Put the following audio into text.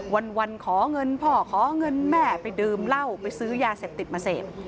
วันขอเงินพ่อขอเงินแม่ไปดื่มเหล้าไปซื้อยาเสพติดมาเสพ